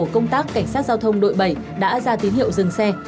cảnh sát giao thông đội bảy đã ra tín hiệu dừng xe